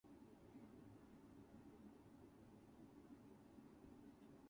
It is the highest that has been measured accurately.